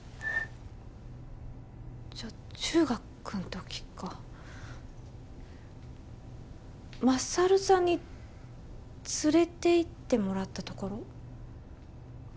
じゃあ中学の時か勝さんに連れていってもらったところ？